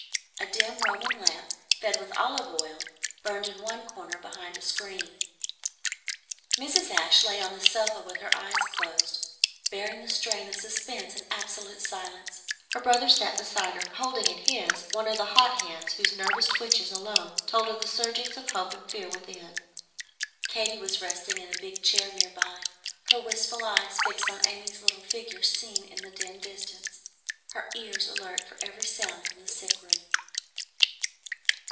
A dim Roman lamp, fed with olive oil, burned in one corner behind a screen. Mrs. Ashe lay on the sofa with her eyes closed, bearing the strain of suspense in absolute silence. Her brother sat beside her, holding in his one of the hot hands whose nervous twitches alone told of the surgings of hope and fear within. Katy was resting in a big chair near by, her wistful eyes fixed on Amy's little figure seen in the dim distance, her ears alert for every sound from the sick room.